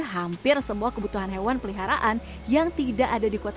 hampir semua kebutuhan hewan peliharaan yang tidak ada di kota